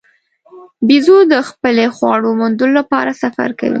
بیزو د خپلې خواړو موندلو لپاره سفر کوي.